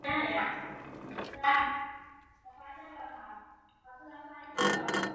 士麦拿是位于美国阿肯色州波普县的一个非建制地区。